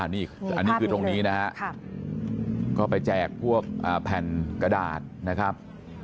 นี่อันนี้คือตรงนี้นะฮะก็ไปแจกพวกแผ่นกระดาษนะครับ